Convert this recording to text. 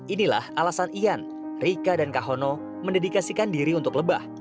inilah alasan ian rika dan kahono mendedikasikan diri untuk lebah